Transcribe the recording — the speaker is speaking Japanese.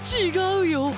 違うよ！